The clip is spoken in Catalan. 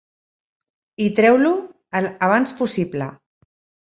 I treu-lo el abans possible.